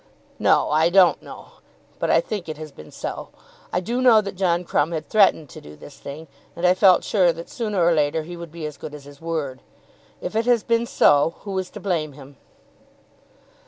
"No; I don't know. But I think it has been so. I do know that John Crumb had threatened to do this thing, and I felt sure that sooner or later he would be as good as his word. If it has been so, who is to blame him?"